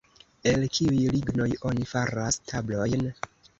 El kiuj lignoj oni faras tablojn?